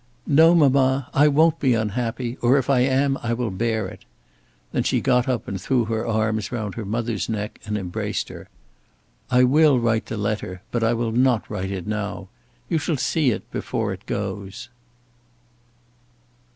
"No, mamma, I won't be unhappy; or if I am I will bear it." Then she got up and threw her arms round her mother's neck, and embraced her. "I will write the letter, but I will not write it now. You shall see it before it goes."